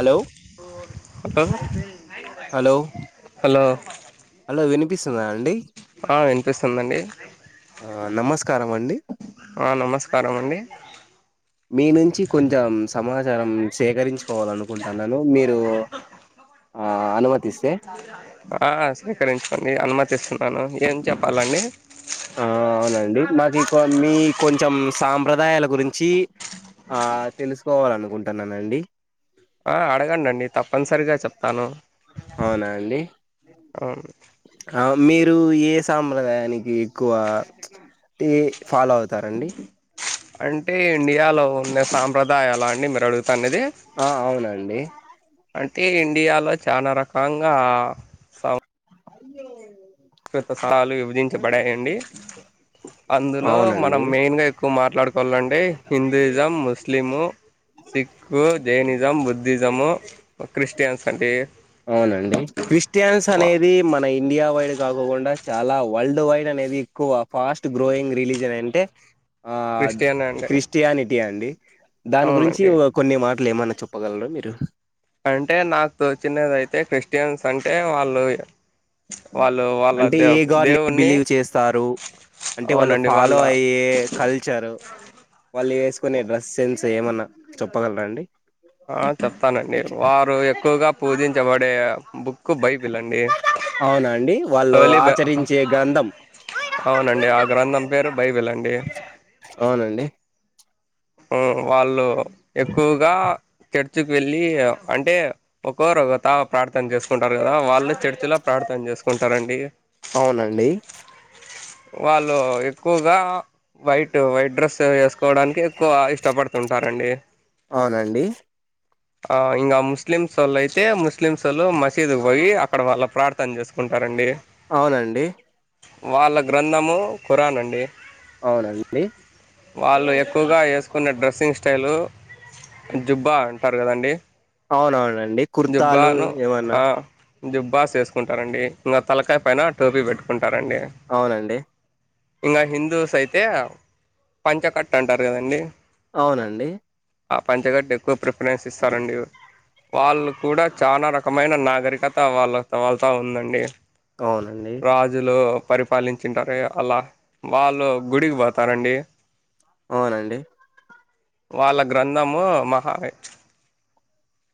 Hello hello hello hello hello వినిపిస్తుందా అండి, ఆ వినిపిస్తుందండి, ఆ నమస్కారం అండి, కరం అండి మీ నుంచి కొంచెం. సమాచారం సేకరించుకోవాలనుకుంటున్నాను. మీరు ఆ అనుమతి, ఆ స్వీకరించుకోండి అనుమతి తెచ్చుకుంటాను ఏం చెప్పాలండి ఆ అవునండి మాదీ కొ మీ కొంచెం సాంప్రదాయాల గురించి ఆ తెలుసుకోవాలనుకుంటున్నానండి ఆ అడగండండి తప్పనిసరిగా చెప్తాను ఔను ఔ మీరు ఏ సాంప్రదాయానికి ఎక్కువ టి ఫాలో అవుతారండి అంటే ఇండియాలో ఉన్న సాంప్రదాయాలా అండి మీరడుగు ఆ అవునండి తే ఇండియాలో చానా రకాంగా సాం సృత సాలు విభజించబడాయండి అందులో మనం అవునండి మెయిన్ గా ఎక్కువ మాట్లాడుకోవాలంటే హిందూయిజం ముస్లిము సిక్కు జైనిస్ జం బుద్ధిసము క్రిస్టియన్స్ అండి క్రిస్టియన్స్ అనేది మన ఇండియా వ వైడ్ కాకోకుండా చాలా వల్డ్ వైడ్ అనేది ఎక్కువ ఫాస్ట్ గ్రోయింగ్ రిలీజన్ అంటే ఆ క్రిస్టియన్ అండి క్రిస్టియానిటీ అండి దాని గురించి అవునండి ఓ కొన్ని మాటలు ఏమనా చొప్పగలరా మీరు అంటే నాకు తోచినదయితే క్రిస్టియన్స్ అంటే వాళ్ళు వాళ్ళు వాళ్ళ అంటే ఏ దేవు గాడ్ ని దేవుణ్ణి బిలీవ్ చేస్తారు అంటే వాళ్ళు అవునండి ఫాలో వాళ్ళ అయ్యే కల్చర్ వాళ్ళు ఏసుకునే డ్రెస్ సెన్స్ ఏమన్నా చెప్పగలరా అండి ఆ చెప్తానండి బుక్కు బై బిలండి అవునా అండి వాళ్ళు హోలిబా ఆచరించే గ్రంథం అవునండి ఆ గ్రంథం పేరు బైబిలండీ అవునండి అ వాళ్ళు ఎక్కువగా చె ర్చికి వెళ్ళీ అంటే ఒకరు ఒక తా ప్రా చేసుకుంటారు కదా వాళ్ళు చర్చలో ప్రార్థన చేసుకుంటారండి అవునండి వాళ్ళు ఎక్కువగా వైట్ వైట్ డ్రెస్ వేసుకోడానికి ఎక్కువ ఇష్టపడుతుంటారండి అవునండి ఆ ఇంకా ముస్లిమ్స్ వాళ్ళు అయితే ముస్లిమ్స్ వాళ్ళు మసీదుకి పోయి అక్కడ వాళ్ళ ప్రార్ అవునండి వాళ్ళ గ్రంథము ఖురానండి అవునండి వాళ్ళు ఎక్కువగా ఎసుకున్న డ్రసింగ్ తెల్వదు జుబ్బా అంటారు కదండి అవునవునండి కుర్తాలు జుబ్బాను ఎమన్నా ఆ జుబ్బాస్ వేసుకుంటారండి ఇంకా తలకాయ పైన టోపీ పెట్టుకు అవునండి ఇంకా హిందూస్ అయితే పంచకట్టంటారు కదండి అవునండి ఆ పంచగడ్డ ఎక్కువ ప్రిఫరెన్స్ ఇస్తారండి, వాళ్ళు కూడా చాలా రకమైన నాగరికత వాళ్ళ వాళ్ళతో ఉందండి. అవునండి. రాజులు పరిపాలిం తింటారు అలా వాళ్ళు గుడికి పోతారండి అవునండి వాళ్ళ గ్రంథము మహా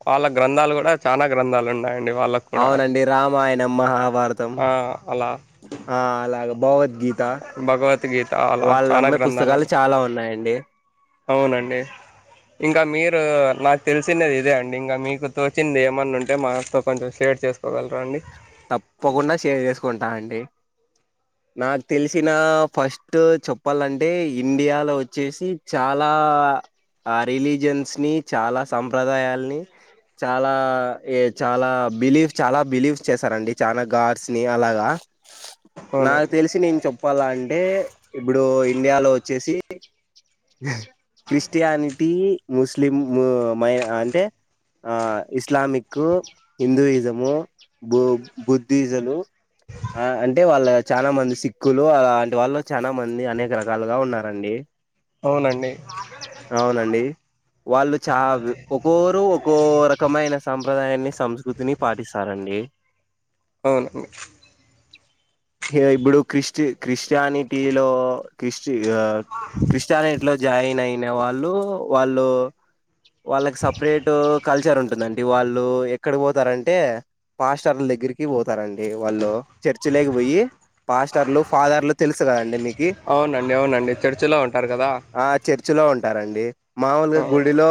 వాళ్ళ గ్రంథాలు కూడా చాలా గ్రంథాలు ఉన్నాయండి వాళ్ళకు కూడా అవునండి రామాయణం, మహాభారతం, ఆ అలా ఆ అలాగ భగవద్గీత, భగవద్గీత అలా చాలా వాళ్నమ్మే గ్రంథాలు పుస్తకాలు చాలా ఉన్నాయండి. అవునండి ఇంకా మీరు నాకు తెలిసినది ఇదే అం ఇంకా మీకు తోచింది ఏమన్నా ఉంటే మాతో కొంచెం షేర్ చేసుకోగలరా అండి తప్పకుండా సేవ్ చేసుకోం ంటా అండి నాకు తెలిసిన ఫస్ట్ చెప్పాలంటే, ఇండియాలో వచ్చేసి చాలా రిలీజియన్స్ని, చాలా సంప్రదాయాలని, చాలా చాలా బిలీఫ్ చాలా బిలీవ్ చేసారండి చాన గార్డ్స్ ని అలాగా నాకు అవునండి తెలిసి నేను చెప్పాల అంటే ఇప్పుడు ఇండియాలో వచ్చేసి క్రిస్టియానిటీ ముస్లిం మై అంటే ఆ ఇస్లామిక్ హిందూయిజము బు బుద్ధిజులు అంటే వాళ్ళ చాలా మంది సిక్కులు అంటి వాళ్ళు చాలా మంది అనేక రకాలుగా ఉన్నారండి అవునండి అవునండి వాళ్ళు చ ఒకోరు ఒకోరకమైన సంప్రదాయాన్ని సంస్కృతిని పాటిస్తారండి అవునండి ఇప్పుడు క్రిస్టి క్రిస్టియానిటీ లో క్రిస్టి ఇగ క్రిస్టియానిటిలో జాయిన్ అయిన వాళ్ళు వాళ్ళు వాళ్ళకి సపరేట్ కల్చర్ ఉంటదం ఇగ వాళ్ళు ఎక్కడ పోతారంటే పాస్టలగరికి బో తారండి వాళ్ళు చర్చి లకిపోయి పాస్టర్లు ఫాదర్లు తెలుసు కదండి మీకు అవునండి అవునండి చర్చిలో ఉంటారు కదా ఆ చర్చి లో ఉంటారండి మామూలుగా ఆ గుడిలో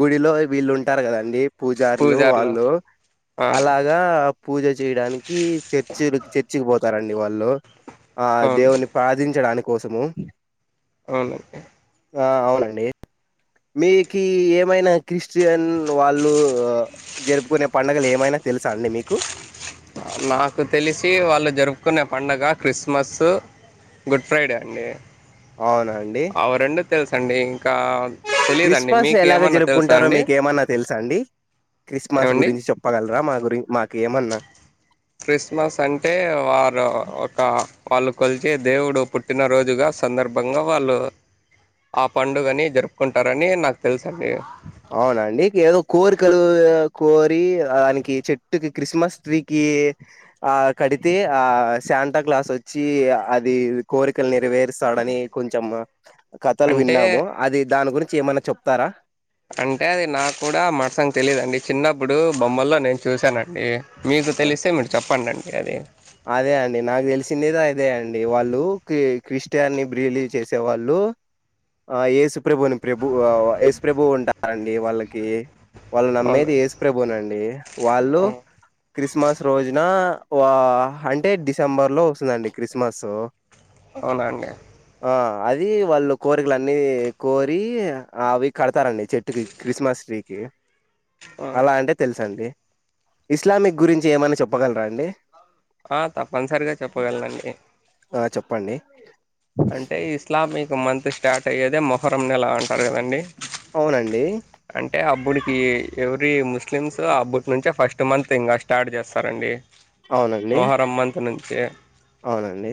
గుడిలో వీళ్ళు ఉంటారు కదండి పూజారులు పూజార్లు వాళ్ళు ఆ అలాగ ఇగ పూజ చేయడానికి చర్చిలకి చర్చికి పోత తారండి వాళ్ళు ఆ అవును దేవుని ప్రధించడానికి కోసము అవును ఆ అవునండి మీకు ఏమైనా క్రిస్టియన్ వాళ్ళు జరుపుకునే పండుగలు ఏమైనా తెలుసా అండి మీకు నాకు తెలిసి వాళ్ళు జరుపుకునే పడుగ క్రిస్మస్ గుడ్ ఫ్రైడే అండి అవునండి తెల్స్ అండి క్రిస్మస్ ఎలాగ తెలుసా జరుపుకుంటారో అండి మీకు ఏమన్నా తెలుస అండి క్రిస్మస్ ఏమండి గురించి చెప్పగలరా మా గురి మాకు గేమన్నా క్రిస్మస్ అంటే వారు ఒక వాళ్ళు కలిచి దేవుడు పుట్టినరోజుగా సందర్భంగా వాళ్ళు ఆ పండుగని జరుపుకుంటారని నాకు తెలుస అండి అవునండి ఏదో కోరికలు కోరి దానికి చెట్టుకి క్రిస్మస్ ట్రీకి ఆ కడితే ఆ శాంటా క్లాస్ వచ్చి అది కోరికలు నెరవేరుస్తాడని కొంచెం కథలు అంటే విన్నాము అది దాని గురించి ఏమన్నా చెప్తారా అంటే అది నాకు కూడా మడసంగా తెలిదుండి చిన్నప్పుడు బొమ్మల్లో నేను చూశానండి మీకు ఆ! తెలిస్తే మీరు చెప్పండిండి ఎద అదే అండి నాకు తెలిసిందది అదే అండి వాళ్ళు క క్రిస్టియాని బిలీవ్ చేసే వాళ్ళు ఆ ఏసు ప్రభుని ఎస్ ప్రభుస్ ప్రభు ఉంటారండి వాళ్ళకి వాళ్ళు అవును నమ్మేది ఏసు ప్రభునండి వాళ్ళు ఆ! క్రిస్మస్ రోజున వా హంట్రే డిసెంబర్లో వస్తుందండి క్రిస్మస్ అవునండి ఆ అది వాళ్ళు కోరికలు అన్నీ కోరి అవిక్ కడతారండి చెట్టుకి క్రిస్మస్ ట్రీకి ఆ అలా అంటే తెలుస అండి ఇస్లామిక్ గురించి ఏమన్నా చెప్పగలరా అండి ఆ తప్పనిసరిగా చెప్పగలనండి ఆ చెప్పండి అంటే ఇస్లామిక్ ఒక మంత్ స్టార్ట్ అయ్యేద మొహరంని నెలా అంటాడు కదండి అవునండి అప్పుడికి ఎవ్రీ ముస్లిమ్స్ అప్పటి నుంచే ఫస్ట్ మంత్ ఇంకా స్టార్ట్ చేస్తారండి అవునండి మొహరం మంత్ నుంచి చే అవునండి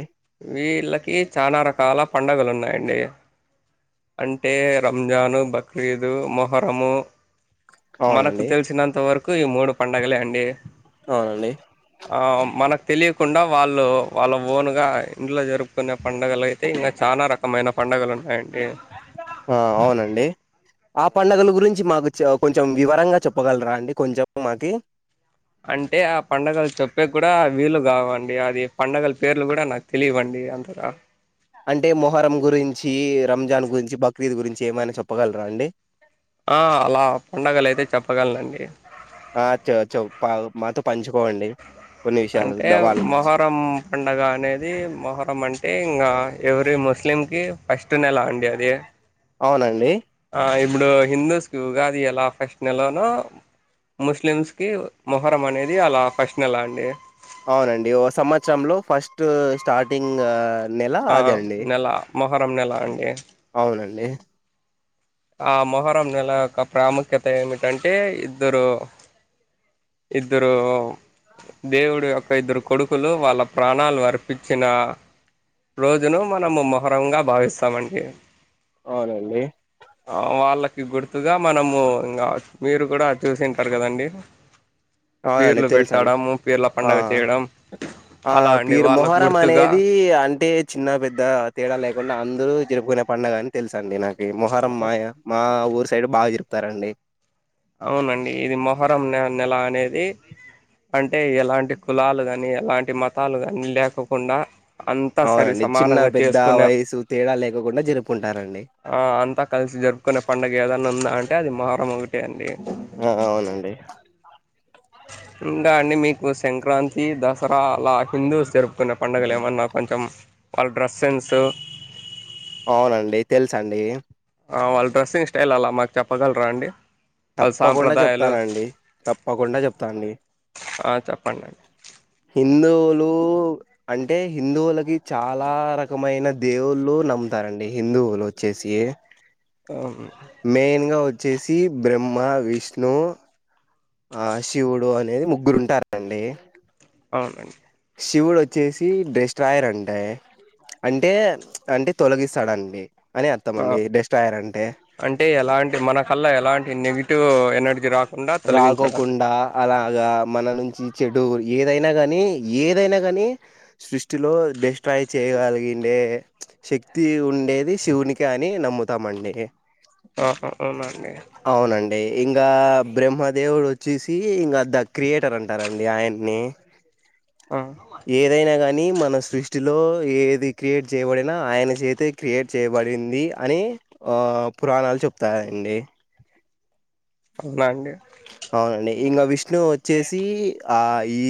వీళ్ళకి చాలా రకాల పండుగలు ఉన్నాయండి అంటే రంజాన్ బక్రీదు మొహరము మనకు అవునండి తెలిసినంత వరకు కు ఈ మూడు పండగలే అండి అవునండి ఆ మనకు తెలియకుండా వాళ్ళు వాళ్ళు ఓన్ గా ఇంట్లో జరుపుకునే పండుగలైతే ఇంగా చానా రకమైన పండగలన్ ఆ అవునండి ఆ పండుగల గురించి మాకు చె కొంచెం వివరంగా చెప్పగలరా అండి కొంచెం మాకి అంటే ఆ పండగలు చెప్పేకి కూడా వీలు కావండి అది పండగల పేర్లు కూడా నాకు తెలీవండి అంతగా అంటే మొహరం గురించి రంజాన్ గురించి బక్రీద్ గురించి ఏమైనా చెప్పగలరా అండి ఆ అలా పండగలైతే చెప్పగలనండి ఆ చో చో పా మాతో పంచు అంటే గురించి మొహరం పండగ అనేది మొహరం అన్ టే ఇంగాే ఎవురీ ముస్లిం కి ఫస్ట్ నెల అండి అది అవునండి ఆ ఇప్పుడు హిందూస్ కి ఉగాది ఎలా ఫస్ట్ నెలోనో ముస్లిమ్స్ కి మొహరం అనేది అలా ఫస్ట్ నెలా అండి అవునండి ఓ సంవత్సరంలో ఫస్ట్ స్టార్టింగ్ నెల ఆ అదే అండి నెల మొహరం నెల అండి అవునండి ఆ మొహరం నెల యొక్క ప్రాముఖ్యత ఏమిటంటే ఇద్దరు ఇద్దరు దేవుడు యొక్క ఇద్దరు కొడుకులు వాళ్ళ ప్రాణాలు అర్పిచ్చిన రోజును మనము మొహరంగా భావిస్తామండి అవునండి కి గుర్తుగా మనము ఇంగా మీరు కూడా చూసింటారు కదండి అవునండి పీర్లు తెలుసన్ పెట్టడము పీర్ల ఆ పండగ చేయడం ఆ అలా అండి పీరు వాళ్ళకు మొహరం గుర్తుగా అనేది అంటే చిన్న పెద్ద తేడా లేకుండా అందరూ జరుపుకునే పండగాని తెలుస అండి నాక్ అ మొహరం మాయ మా ఊరు సైడ్ బాగా జ చెప్తారండి అవునండి ఇది మొహరం నె నెల అనేది అంటే ఎలాంటి కులాలు కాని, ఎలాంటి మతాలు కాని లేకుండా అంతా సరి అవునండి చిన్న సమానంగా పెద్ద చేసుకునే, వయసు తేడా లేకోకుండా జరుపుకుంటారండి. ఆ అంతా కలిసి జరుపుకునే పండుగ ఏదైనా ఉందా అంటే అది మరోం ఒకటి ఆ అవునండి ఇంకా అండి మీకు సంక్రాంతి దసరా అలా హిందూస్ జరుపుకున్న పండుగలు ఏమన్నా కొంచెం వాళ్ళ డ్రెస్ సెన్స్ అవునండి తెలుసండి వాళ్ళ డ్రెస్సింగ్ స్టైల్ అలా మాకు చెప్పగలరా అండి వాళ్ళ తప్పకుండా సాంప్రదాయాలు చెప్తానండి తప్పకుండా చెప్తాండి ఆ చెప్పండి అండి హిందువులు అంటే హిందువులకి చాలా రకమైన దేవుళ్ళు నమ్ముతారండి, హిందువులు వచ్చేసి మెయిన్ గా వ వచ్చేసి బ్రహ్మ విష్ణు ఆ శివుడు అనేది ముగ్గురు ఉంటారండి అవునండి శివుడు వచ్చేసి డ్రెస్ట్ రాయారంటే అంటే అంటే తొలగిస్తాడండి అని అర్థం ఆ అండి డెస్ట్రాయర్ అంటే అంటే ఎలాంటి మన కల్లా ఎలాంటి నెవి తు ఎనర్జీ రాక్ రాకోకుండా అలాగా మన నుంచి చెడు ఏదైనా గానీ ఏదైనా గానీ సృష్టిలో డెస్ట్ ట్రై చేయగలిగిండే శక్తి ఉండేది శివునికి అని నమ్ముతామండి ఆహఓనండి అవునండి ఇంకా బ్రహ్మదేవుడు వచ్చేసి ఇంకా ద క్రియేటర్ అంటారండి ఆయన్ని ఆ ఏదైనా గానీ కానీ మన సృష్టిలో ఏది క్రియేట్ చేయబడినా ఆయన చేతే క్రియేట్ చేయబడింది అని, ఆ పురాణాలు చెప్తాయండి. అవునా అండి అవునండి ఇంకా విష్ ఇట్ ను వచ్చేసి అ ఈ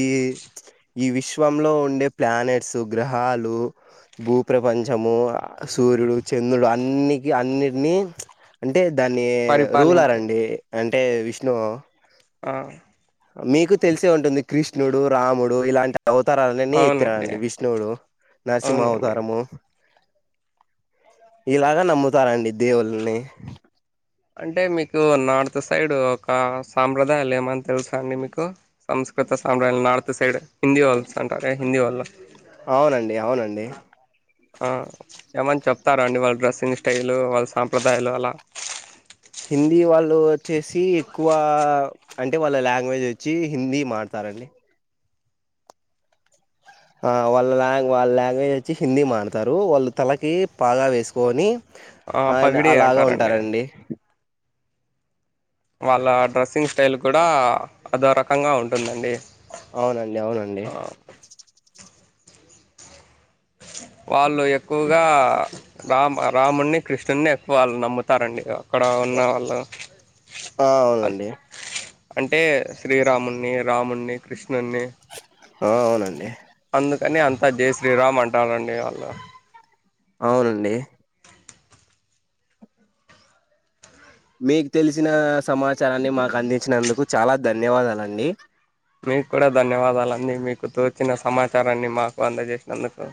ఈ విశ్వంలో ఉండే ప్లానెట్స్, గ్రహాలు, భూప్రపంచము, సూర్యుడు, చంద్రుడు, అన్నిక అన్నిటినీ అ టే దాన్ని పరిపాలించే రూలర్ండి అంటే వి విష్ణు ఆ మీకు తెలిసే ఉంటుంది కృష్ణుడు రాముడు ఇలాంట అవతారాలనే అవునండి ఎత్తానండి విష్ణువుడు నరసింహ అవునండి అవతారము ఇలాగ నమ్ముతారండి దేవుల్ని అంటే మీకు నార్త్ సైడ్ ఒక సాంప్రదాయాలు ఏమని తెలుసు అండి మీకు సంస్కృత సాంప్రదాయాలు నార్త్ సైడ్ హిందీ వాళ్ళు అంటారే హిందీ వాళ్ళు అవునండి అవునండి ఆ ఏమని చెప్తారా అండి వాళ్ళ డ్రెస్సింగ్ స్టైల్ వాళ్ళ సాంప్రదాయాలు అలా హిందీ వాళ్ళు వచ్చేసి ఎక్కువ అంటే వాళ్ళ లాంగ్వేజ్ వచ్చి హిందీ మడతారండి వాళ్ళ లా వాళ్ళ లాంగ్వేజ్ వచ్చి హిందీ మాడాతారు వాళ్ళు తలకి పాగా వేసుకొని ఆ ఆయన పగిడి అలాగ అంటారండి ఉంటారండి వాళ్ళ డ్రెస్సింగ్ స్టైల్ కూడా అదో రకంగా ఉంటుందండి అవునండి అవునండి వాళ్ళు ఎక్కువగా రామ రాముడిని కృష్ణుడిని ఎక్కువ వాళ్ళు నమ్ముతారండి ఇగ ఆ అవునండి అంటే శ్రీరాముణ్ణి రాముడిని కృష్ణుణ్ణి అవునండి అందుకని అంతా జయ శ్రీరామ్ అంటారండి దేవ్ అల్లాహ్ అవునండి మీకు తెలిసిన సమా చారాన్ని మాకు అందించినందుకు చాలా ధన్యవాదాలండి మీకు కూడా ధన్యవాదాలుండి మీకు తోచిన సమాచారాన్ని మాకు అందజేసినందుకు